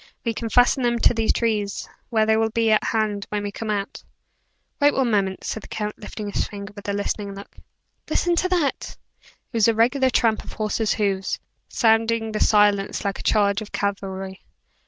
We can fasten them to these trees, where they will be at hand when we come out." "Wait one moment," said the count, lifting his finger with a listening look. "Listen to that!" It was a regular tramp of horses' hoofs, sounding in the silence like a charge of cavalry.